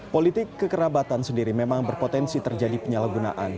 politik kekerabatan sendiri memang berpotensi terjadi penyalahgunaan